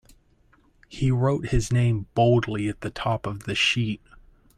He wrote his name boldly at the top of the sheet.